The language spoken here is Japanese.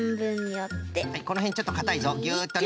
このへんちょっとかたいぞギュッとね。